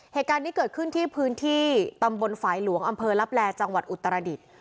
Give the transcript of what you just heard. เหตุการณ์นี้เกิดขึ้นที่พื้นที่ตำบลฝ่ายหลวงอำเภอลับแลจังหวัดอุตรดิษฐ์